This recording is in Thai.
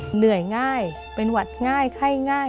เหนื่อยง่ายเป็นหวัดง่ายไข้ง่าย